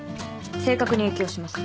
性格に影響します。